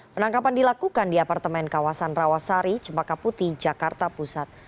penangkapan dilakukan di apartemen kawasan rawasari cempaka putih jakarta pusat